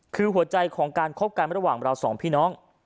คือหัวใจของการคบกันระหว่างเราสองพี่น้อง